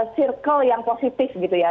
circle yang positif gitu ya